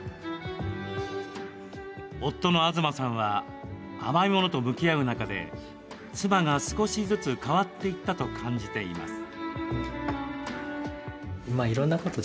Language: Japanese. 夫の東さんは甘いものと向き合う中で妻が少しずつ変わっていったと感じています。